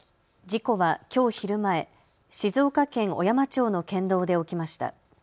事故はきょう昼前、静岡県小山町の県道で起きました。